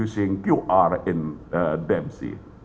menggunakan qr di dmc